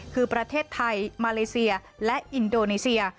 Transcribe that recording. คือประเทศไทยมาเลเซียและอินโดนีเซีย